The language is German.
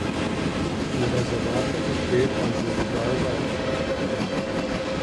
Die Reservate bestehen also legal weiter.